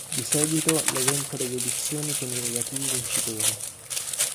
Di seguito l'elenco delle edizioni con i relativi vincitori.